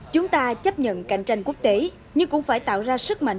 chúng ta chấp nhận cạnh tranh quốc tế nhưng cũng phải tạo ra sức mạnh